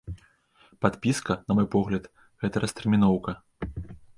Падпіска, на мой погляд, гэта растэрміноўка.